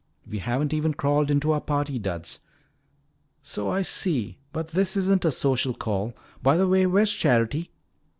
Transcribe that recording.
We haven't even crawled into our party duds." "So I see. But this isn't a social call. By the way, where's Charity?"